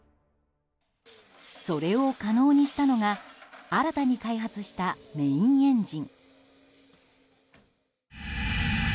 それを可能にしたのが新たに開発したメインエンジン。